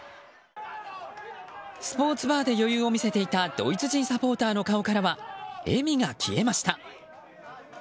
スポーツバーで余裕を見せていたドイツ人サポーターの顔からは笑みが消えました。